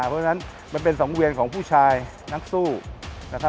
เพราะฉะนั้นมันเป็นสังเวียนของผู้ชายนักสู้นะครับ